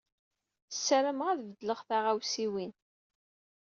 Ssarameɣ ad beddlent tɣawsiwin.